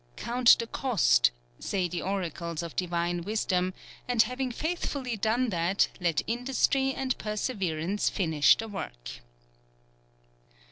—" Count the cost," say the oracles of divine wisdom, and having faithfully done that", let industry and perseverance finish the work.